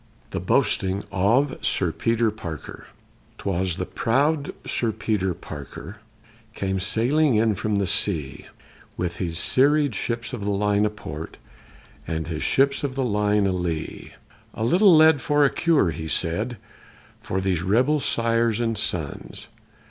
THE BOASTING OF SIR PETER PARKER [June 28, 1776] 'Twas the proud Sir Peter Parker came sailing in from the sea, With his serried ships of line a port, and his ships of line a lee; A little lead for a cure, he said, for these rebel sires and sons!